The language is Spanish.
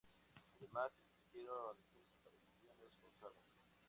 Además, existieron desapariciones forzadas.